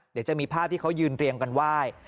เดี๋ยวจะมีภาพที่เขายืนเรียงกันไหว้